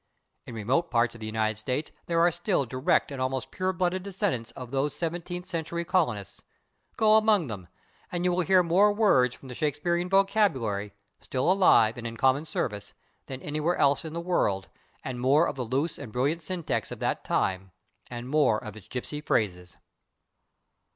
In remote parts of the United States there are still direct and almost pure blooded descendants of those seventeenth century colonists. Go among them, and you will hear more words from the Shakespearean vocabulary, still alive and in common service, than anywhere else in the world, and more of the loose and brilliant syntax of that time, and more of its gipsy phrases.